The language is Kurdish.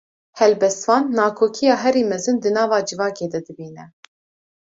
Helbestvan, nakokiya herî mezin, di nava civakê de dibîne